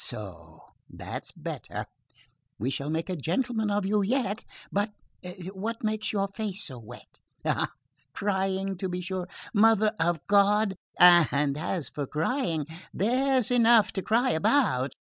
So that's better; we shall make a gentleman of you yet. But what makes your face so wet? Ah, crying, to be sure. Mother of God! as for crying, there's enough to cry about."